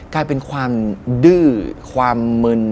กลายเป็นความดื้อความมึน